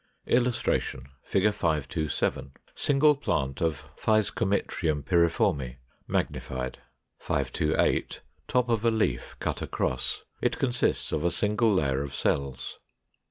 [Illustration: Fig. 527. Single plant of Physcomitrium pyriforme, magnified. 528. Top of a leaf, cut across; it consists of a single layer of cells.